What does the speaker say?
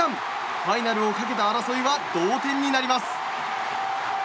ファイナルをかけた争いは同点になります。